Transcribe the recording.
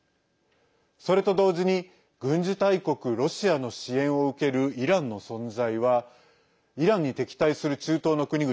それと同時に軍事大国ロシアの支援を受けるイランの存在はイランに敵対する中東の国々